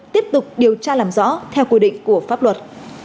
tiếp tục điều tra làm rõ theo quy định của pháp luật